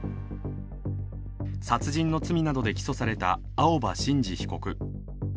殺人の罪などで起訴された青葉真司被告。